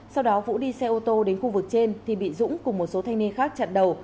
sau đó vũ đi xe ô tô đến khu vực trên thì bị dũng cùng một số thanh niên khác chặn đầu